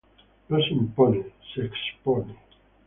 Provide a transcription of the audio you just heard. No se impone, se expone"".